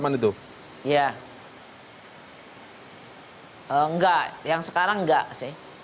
enggak yang sekarang enggak sih